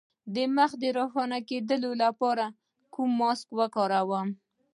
د مخ د روښانه کیدو لپاره کوم ماسک وکاروم؟